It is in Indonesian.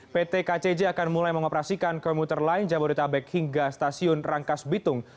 pt kcj akan mulai mengoperasikan komuter lain jabodetabek hingga stasiun rangkas bitung